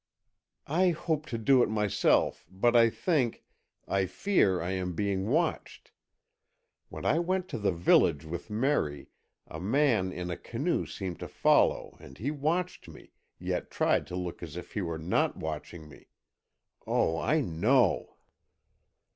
"I hoped to do it myself, but I think—I fear I am being watched. When I went to the village with Merry, a man in a canoe seemed to follow and he watched me, yet tried to look as if he were not watching me. Oh, I know."